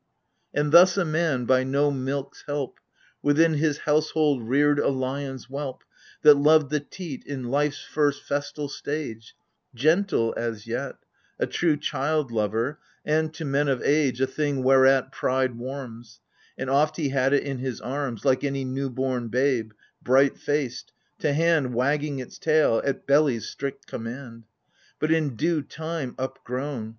And thus a man, by no milk's help, Within his household reared a lion's whelp That loved the teat In life's first festal stage : Gentle as yet, A true child lover, and, to men of age, A thing whereat pride warms ; And oft he had it in his arms Like any new born babe, bright faced, to hand Wagging its tail, at belly's strict command. But in due time upgrown.